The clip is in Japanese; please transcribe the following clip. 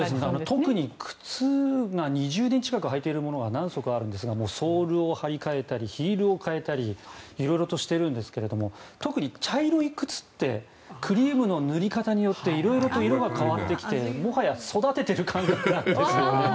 特に靴で２０年近く履いているものが何足かあるんですがソールを貼り替えたりヒールを替えたりいろいろしているんですけど特に茶色い靴ってクリームの塗り方によっていろいろと色が変わってきてもはや育てている感覚があって。